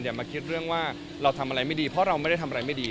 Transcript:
มาคิดเรื่องว่าเราทำอะไรไม่ดีเพราะเราไม่ได้ทำอะไรไม่ดี